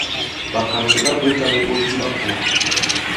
Ɓàkànlɛ̀ ɓa bwě jāŋ iɓok di ɓa kùà.